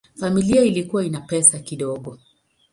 Familia ilikuwa ina pesa kidogo.